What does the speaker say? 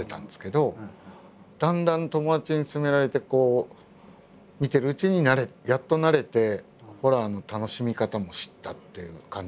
だんだん友達に薦められてこう見てるうちにやっと慣れてホラーの楽しみ方も知ったっていう感じだったので。